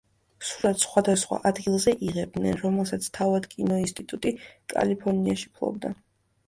სურათს სხვადასხვა ადგილზე იღებდნენ, რომელსაც თავად კინოინსტიტუტი კალიფორნიაში ფლობდა.